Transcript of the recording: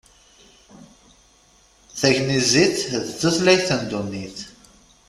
Tagnizit d tutlayt n ddunit.